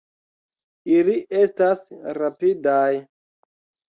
Ili estas rapidaj.